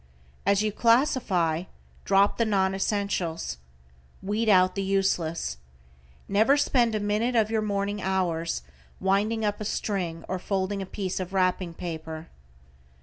As you classify, drop the non essentials. Weed out the useless. Never spend a minute of your morning hours winding up a string or folding a piece of wrapping paper.